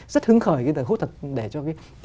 rất hứng khởi hút thật để cho